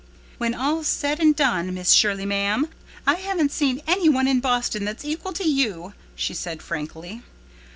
"When all's said and done, Miss Shirley, ma'am, I haven't seen any one in Boston that's equal to you," she said frankly.